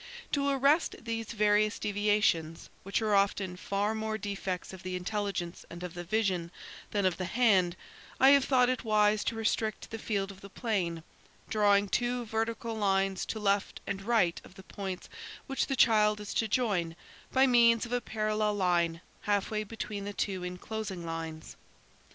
To arrest these various deviations which are often far more defects of the intelligence and of the vision, than of the hand, I have thought it wise to restrict the field of the plane, drawing two vertical lines to left and right of the points which the child is to join by means of a parallel line half way between the two enclosing lines.